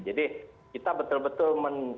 jadi kita betul betul men